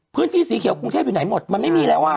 พื้นที่สีเขียวกรุงเทพอยู่ไหนหมดมันไม่มีแล้วอ่ะ